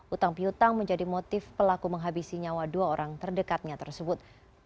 utang piutang menjadi motif pelaku menghabisi nyawa dua orang terdekatnya tersebut